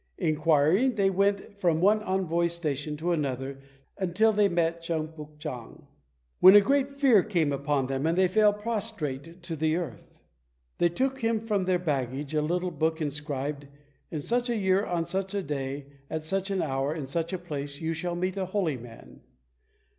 Inquiring, they went from one envoy's station to another till they met Cheung Puk chang, when a great fear came upon them, and they fell prostrate to the earth. They took from their baggage a little book inscribed, "In such a year, on such a day, at such an hour, in such a place, you shall meet a Holy Man."